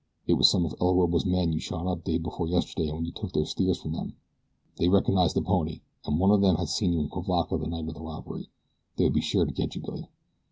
It was some of El Orobo's men you shot up day before yesterday when you took their steers from them. They recognized the pony, and one of them had seen you in Cuivaca the night of the robbery. They would be sure to get you, Billy."